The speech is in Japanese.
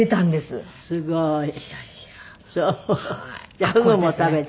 じゃあフグも食べて。